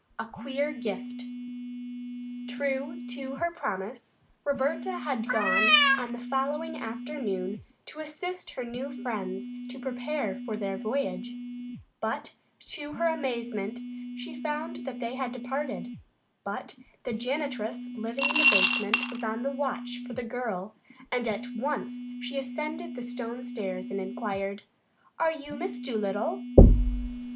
A QUEER GIFT True to her promise Roberta had gone on the following afternoon to assist her new friends to prepare for their voyage, but to her amazement she found that they had departed, but the janitress living in the basement was on the watch for the girl and at once she ascended the stone stairs and inquired: "Are you Miss Dolittle?"